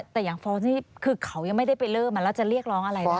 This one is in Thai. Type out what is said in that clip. แต่อย่างฟอร์สนี่คือเขายังไม่ได้ไปเริ่มแล้วจะเรียกร้องอะไรได้